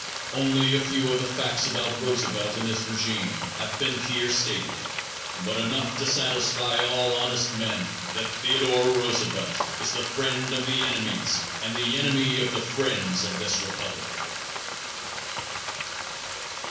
Only a few of the facts about Roosevelt and his regime have been here stated, but enough to satisfy all honest men that Theodore Roosevelt is the Friend of the Enemies and the Enemy of the Friends of this Republic.